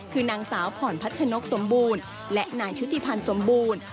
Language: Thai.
คือนางสาวผ่อนพัชนกสมบูรณ์และนายชุติพันธ์สมบูรณ์